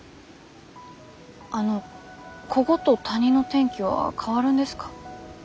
あのこごと谷の天気は変わるんですか？